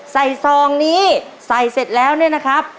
ซองนี้ใส่เสร็จแล้วเนี่ยนะครับ